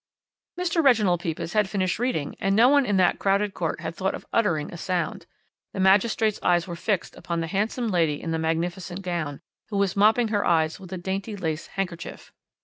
"' "Mr. Reginald Pepys had finished reading, and no one in that crowded court had thought of uttering a sound; the magistrate's eyes were fixed upon the handsome lady in the magnificent gown, who was mopping her eyes with a dainty lace handkerchief.